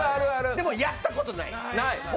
でも、やったことはない。